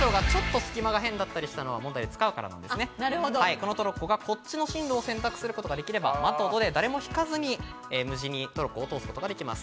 このトロッコが、こっちの進路を選択することができれば、「ま」と「ど」で誰もひかずに、トロッコを無事に通すことができます。